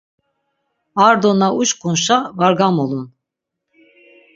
Ar do na uşǩunşa var gamulun.